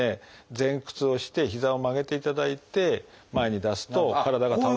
前屈をして膝を曲げていただいて前に出すと体が倒れる。